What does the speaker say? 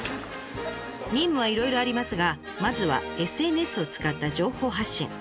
任務はいろいろありますがまずはＳＮＳを使った情報発信。